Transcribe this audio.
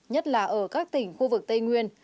nhất là ở các tỉnh khu vực tây nguyên